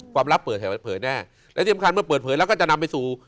ลับเปิดให้เผยแน่และที่สำคัญเมื่อเปิดเผยแล้วก็จะนำไปสู่